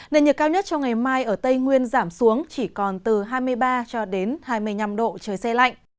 nền nhiệt cao nhất cho ngày mai ở tây nguyên giảm xuống chỉ còn từ hai mươi ba hai mươi năm độ trời xe lạnh